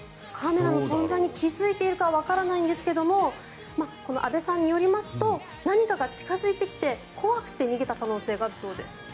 カメラの存在に気付いているかはわからないんですが阿部さんによりますと何かが近付いてきて怖くて逃げた可能性があるそうです。